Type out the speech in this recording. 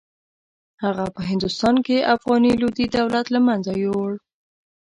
هغه په هندوستان کې افغاني لودي دولت له منځه یووړ.